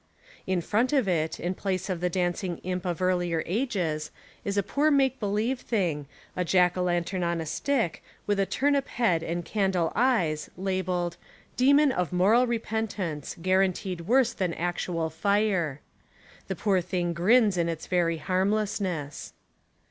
In front of it, in place of the dancing imp of earlier ages, is a poor make believe thing, a jack o' lantern on a stick, with a turnip head and candle eyes, labelled "Demon of Moral Repentance, Guaranteed Worse than Actual Fire." The poor thing grins in its very harm lessness.